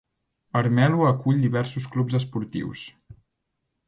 Ermelo acull diversos clubs esportius.